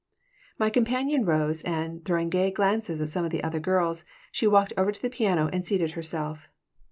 My companion rose and, throwing gay glances at some of the other girls, she walked over to the piano and seated herself.